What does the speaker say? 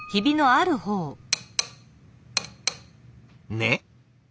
ねっ？